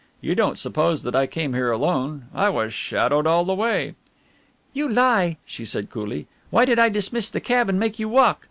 You don't suppose that I came here alone. I was shadowed all the way." "You lie," she said coolly, "why did I dismiss the cab and make you walk?